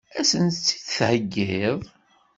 Ad sent-tt-id-theggiḍ?